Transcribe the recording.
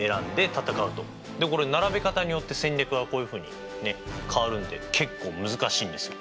でこれ並べ方によって戦略がこういうふうに変わるんで結構難しいんですよ。